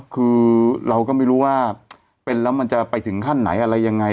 คือเราก็ไม่รู้ว่าเป็นแล้วมันจะไปถึงขั้นไหนอะไรยังไง